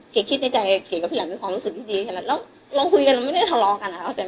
เกรกคิดในใจเกรกกับพี่แหลมมีความรู้สึกที่ดีแล้วเราคุยกันเราไม่ได้ทะลอกัน